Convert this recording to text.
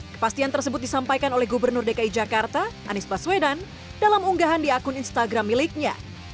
kepastian tersebut disampaikan oleh gubernur dki jakarta anies baswedan dalam unggahan di akun instagram miliknya